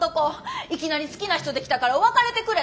いきなり好きな人できたから別れてくれって！